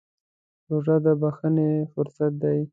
روژه د بښنې فرصت دی.